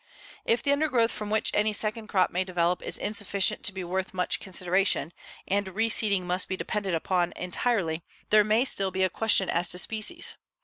If the undergrowth from which any second crop may develop is insufficient to be worth much consideration, and reseeding must be depended upon entirely, there may still be a question as to species.